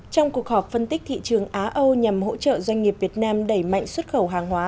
trong cuộc họp phân tích thị trường á âu nhằm hỗ trợ doanh nghiệp việt nam đẩy mạnh xuất khẩu hàng hóa